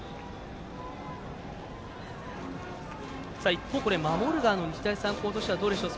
一方、守る側の日大三高としてはどうでしょう。